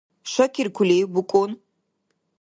Шакиркурлив, букӀун?